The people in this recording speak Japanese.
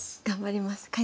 頑張ります。